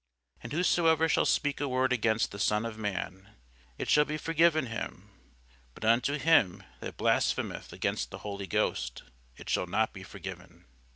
And whosoever shall speak a word against the Son of man, it shall be forgiven him: but unto him that blasphemeth against the Holy Ghost it shall not be forgiven.